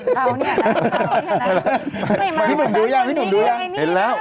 อื้อเอานี่แค่นั้นเอานี่แค่นั้น